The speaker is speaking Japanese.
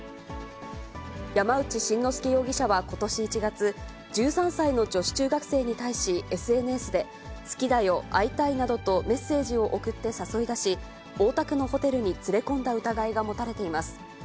山内慎之輔容疑者はことし１月、１３歳の女子中学生に対し、ＳＮＳで、好きだよ、会いたいなどとメッセージを送って誘い出し、大田区のホテルに連れ込んだ疑いが持たれています。